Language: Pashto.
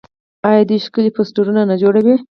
آیا دوی ښکلي پوسټرونه نه جوړوي؟